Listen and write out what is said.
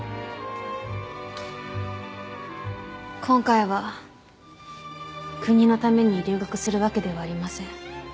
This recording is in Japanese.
今回は国のために留学するわけではありません。